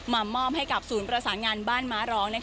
มอบให้กับศูนย์ประสานงานบ้านม้าร้อง